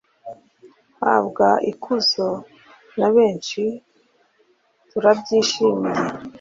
habwa ikuzo na benshi turabyishimiye